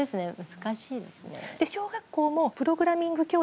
難しいですね。